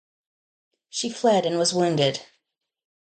She fled and was wounded.